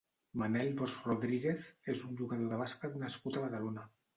Manel Bosch Rodríguez és un jugador de bàsquet nascut a Badalona.